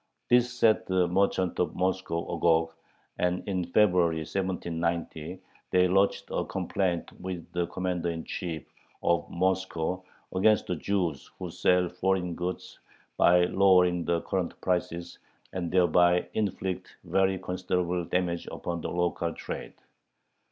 This set the merchants of Moscow agog, and in February, 1790, they lodged a complaint with the commander in chief of Moscow against the Jews who sell "foreign goods by lowering the current prices, and thereby inflict very considerable damage upon the local trade."